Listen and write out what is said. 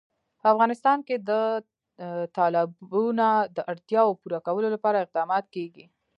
په افغانستان کې د تالابونه د اړتیاوو پوره کولو لپاره اقدامات کېږي.